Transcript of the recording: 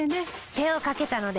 手をかけたので。